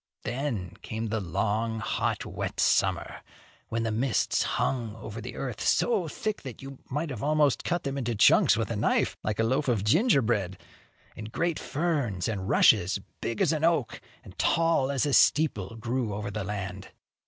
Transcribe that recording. Then came the long, hot, wet summer, when the mists hung over the earth so thick that you might almost have cut them into chunks with a knife, like a loaf of gingerbread; and great ferns and rushes, big as an oak and tall as a steeple, grew over the land.